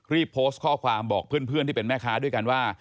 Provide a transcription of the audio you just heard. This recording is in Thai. โพสต์ข้อความบอกเพื่อนที่เป็นแม่ค้าด้วยกันว่า